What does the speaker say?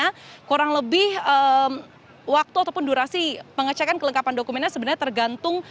karena kurang lebih waktu ataupun durasi pengecekan kelengkapan dokumennya sebenarnya tergantung